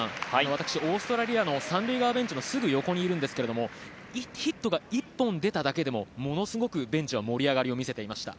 私、オーストラリアの３塁側ベンチのすぐ横にいるんですがヒットが１本出ただけでもものすごくベンチは盛り上がりを見せていました。